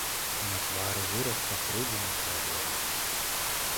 На твары выраз пакрыўджанай каралевы.